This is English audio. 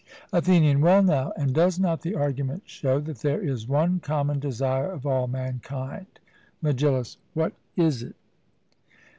ATHENIAN: Well, now, and does not the argument show that there is one common desire of all mankind? MEGILLUS: What is it?